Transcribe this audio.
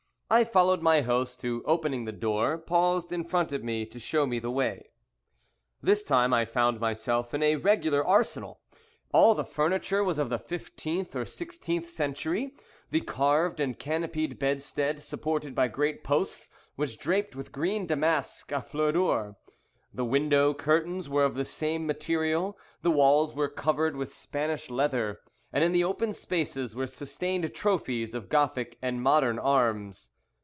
I followed my host, who, opening the door, paused in front of me to show me the way. This time I found myself in a regular arsenal. All the furniture was of the fifteenth or sixteenth century the carved and canopied bedstead, supported by great posts, was draped with green damask à fleur d'or; the window curtains were of the same material. The walls were covered with Spanish leather, and in the open spaces were sustained trophies of Gothic and modern arms.